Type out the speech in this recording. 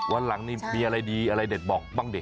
วันหลังนี่มีอะไรดีอะไรเด็ดบอกบ้างดิ